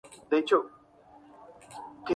Esto, sin embargo, nunca fue comprobado.